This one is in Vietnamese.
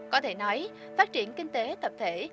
có thể nói phát triển kinh tế tập thể